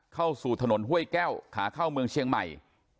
เข้าสู่ถนนห้วยแก้วขาเข้าเมืองเชียงใหม่